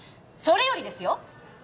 「それより」ですよ